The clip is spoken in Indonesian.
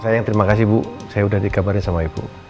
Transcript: saya yang terima kasih bu saya udah dikabarin sama ibu